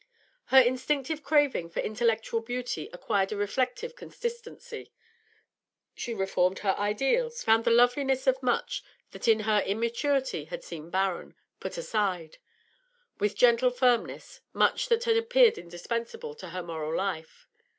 Her instinctive craving for intellectual beauty acquired a reflective consistency; she reformed her ideals, found the loveliness of much that in her immaturity had seemed barren, put aside, with gentle firmness, much that had appeared indispensable to her moral life.